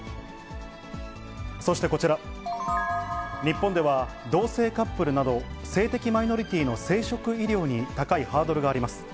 そしてこちら、日本では、同性カップルなど、性的マリノリティーの生殖医療に高いハードルがあります。